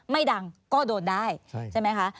ไม่ดังก็โดนได้ใช่ไหมคะ